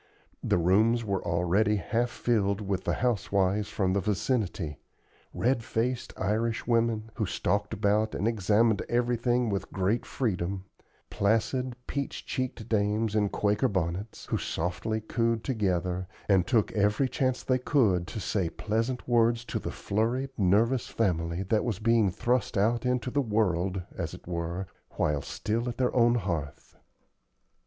The rooms were already half filled with the housewives from the vicinity; red faced Irish women, who stalked about and examined everything with great freedom; placid, peach cheeked dames in Quaker bonnets, who softly cooed together, and took every chance they could to say pleasant words to the flurried, nervous family that was being thrust out into the world, as it were, while still at their own hearth.